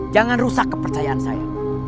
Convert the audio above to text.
jangan rusak kepercayaan saya